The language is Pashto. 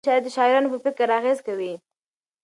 ټولنیز شرایط د شاعرانو په فکر اغېز کوي.